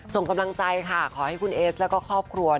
ส่งกำลังใจค่ะขอให้คุณเอสแล้วก็ครอบครัว